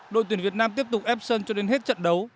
đội tuyển việt nam tiếp tục ép sân cho đến hết trận đấu